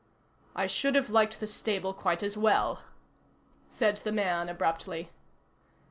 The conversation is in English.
"I should have liked the stable quite as well," said the man, abruptly.